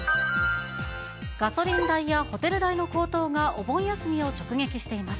ガソリン代やホテル代の高騰がお盆休みを直撃しています。